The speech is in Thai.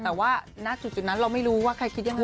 แต่ว่าณจุดนั้นเราไม่รู้ว่าใครคิดยังไง